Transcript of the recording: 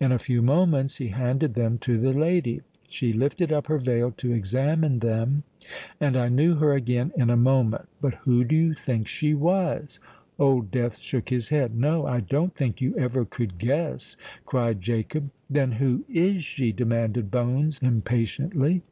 In a few moments he handed them to the lady. She lifted up her veil to examine them; and I knew her again in a moment. But who do you think she was?" Old Death shook his head. "No—I don't think you ever could guess," cried Jacob. "Then who is she?" demanded Bones impatiently.